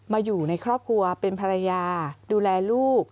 อยู่ในครอบครัวเป็นภรรยาดูแลลูก